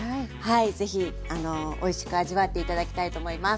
ぜひおいしく味わって頂きたいと思います。